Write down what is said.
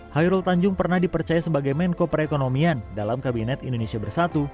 hairul tanjung pernah dipercaya sebagai menko perekonomian dalam kabinet indonesia bersatu